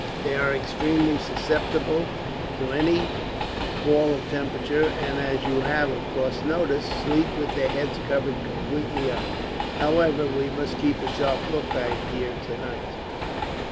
They are extremely susceptible to any fall of temperature, and as you have, of course, noticed, sleep with their heads covered completely up. However, we must keep a sharp lookout here, tonight."